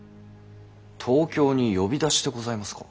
東京に呼び出しでございますか？